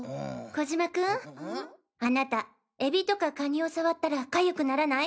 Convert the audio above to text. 小嶋君あなたエビとかカニを触ったらかゆくならない？